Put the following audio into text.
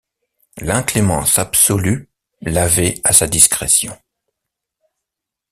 L’inclémence absolue l’avait à sa discrétion.